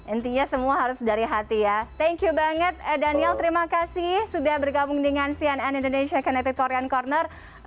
intinya semua harus dari hati ya thank you banget daniel terima kasih sudah bergabung dengan cnn indonesia connected korean corner